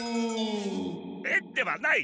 「えっ」ではない。